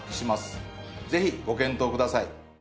ぜひご検討ください。